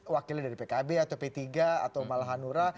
wakilnya dari pkb atau p tiga atau malhanura